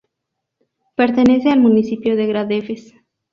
Pertenece al municipio de Gradefes.